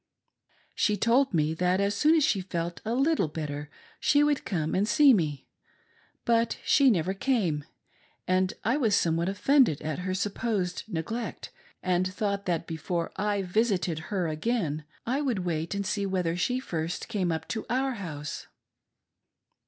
She told me that as soon as she felt a little better she would come and see me, but she never came, and I was somewhat offended at her sup posed neglect, and thought that before I visited her again I would wait and see whether she first came up to our house.